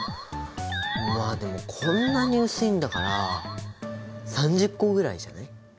まあでもこんなに薄いんだから３０個ぐらいじゃない？